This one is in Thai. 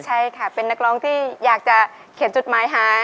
ใช่ค่ะเป็นนักร้องที่อยากจะเขียนจดหมายหาย